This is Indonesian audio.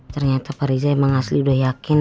ternyata pak riza emang asli udah yakin